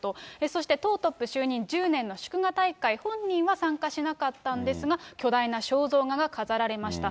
そして、党トップ就任１０年の祝賀大会、本人は参加しなかったんですが、巨大な肖像画が飾られました。